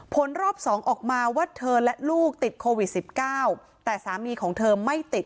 ผลรอบ๒ออกมาว่าเธอและลูกติดโควิด๑๙แต่สามีของเธอไม่ติด